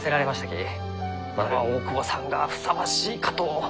き大窪さんがふさわしいかと。